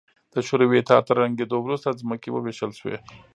د شوروي اتحاد تر ړنګېدو وروسته ځمکې ووېشل شوې.